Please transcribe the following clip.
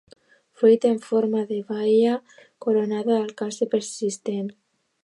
Fruit en forma de baia, coronada pel calze persistent.